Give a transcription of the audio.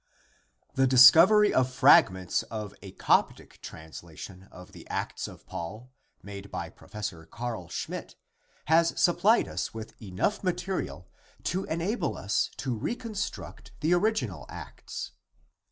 The discovery of fragments of a Coptic translation of the Acts of Paul made by Prof. Carl Schmidt, has supplied us with enough material to enable us to reconstruct the original Acts.